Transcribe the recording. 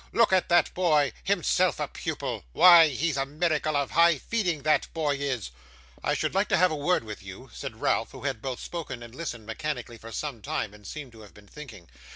Look at that boy himself a pupil. Why he's a miracle of high feeding, that boy is!' 'I should like to have a word with you,' said Ralph, who had both spoken and listened mechanically for some time, and seemed to have been thinking.